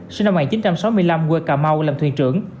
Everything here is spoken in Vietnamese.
sinh năm một nghìn chín trăm sáu mươi năm quê cà mau làm thuyền trưởng